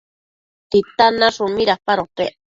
¿Titan nashun midapadopec?